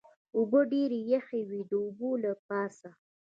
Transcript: اوبه ډېرې یخې وې، د اوبو له پاسه.